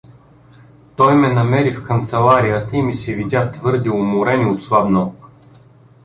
Той ме намери в канцеларията и ми се видя твърде уморен и отслабнал.